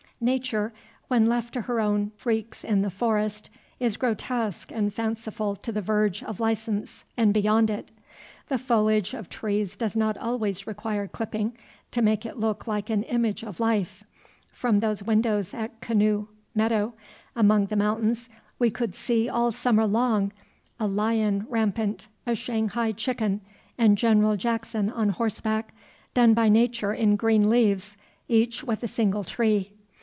Nature, when left to her own freaks in the forest, is grotesque and fanciful to the verge of license, and beyond it. The foliage of trees does not always require clipping to make it look like an image of life. From those windows at Canoe Meadow, among the mountains, we could see all summer long a lion rampant, a Shanghai chicken, and General Jackson on horseback, done by Nature in green leaves, each with a single tree.